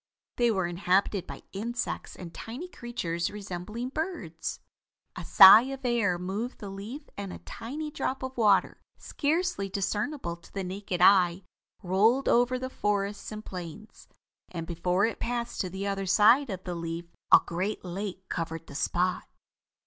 They were inhabited by insects and tiny creatures resembling birds. A sigh of air moved the leaf and a tiny drop of water, scarcely discernible to the naked eye rolled over the forests and plains, and before it passed to the other side of the leaf a great lake covered the spot.